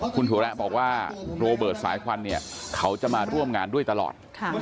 คุณถั่วแระบอกว่าโรเบิร์ตสายควันเนี่ยเขาจะมาร่วมงานด้วยตลอด